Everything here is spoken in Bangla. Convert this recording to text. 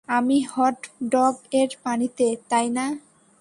আমি হট ডগ এর পানিতে, তাই না?